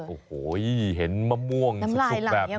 โอ้โหเห็นมะม่วงสุกแบบนี้